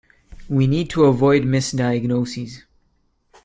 We need to avoid misdiagnoses.